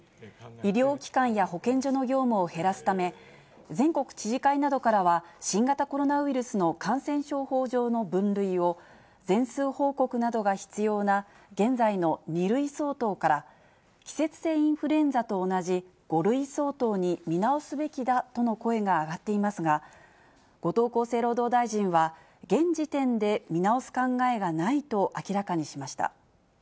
医療機関や保健所の業務を減らすため、全国知事会などからは、新型コロナウイルスの感染症法上の分類を、全数報告などが必要な現在の２類相当から、季節性インフルエンザと同じ５類相当に見直すべきだとの声が上がっていますが、後藤厚生労働大臣は、現時点で見直す考えがないと明らかにしました。